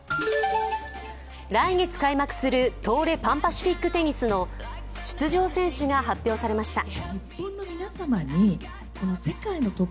来月開幕する東レ・パン・パシフィックテニスの出場選手が発表されました。